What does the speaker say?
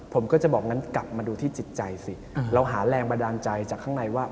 ผมก็จะบอกงั้นกลับมาดูที่จิตใจสิเราหาแรงบันดาลใจจากข้างในว่า